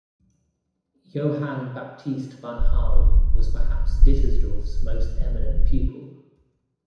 Johann Baptist Wanhal was perhaps Dittersdorf's most eminent pupil.